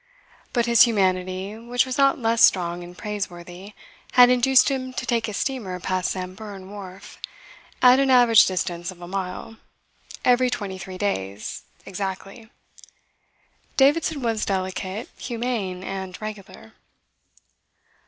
But his humanity, which was not less strong and praiseworthy, had induced him to take his steamer past Samburan wharf (at an average distance of a mile) every twenty three days exactly. Davidson was delicate, humane, and regular.